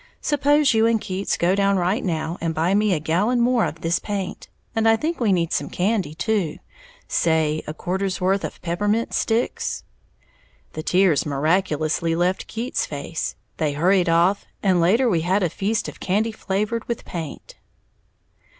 "Suppose you and Keats go down right now and buy me a gallon more of this paint. And I think we need some candy, too, say a quarter's worth of peppermint sticks." The tears miraculously left Keats's face, they hurried off, and later we had a feast of candy flavored with paint.